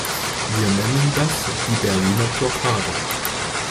Wir nennen das die "Berliner Blockade".